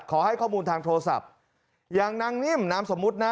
ขอให้ข้อมูลทางโทรศัพท์อย่างนางนิ่มนามสมมุตินะ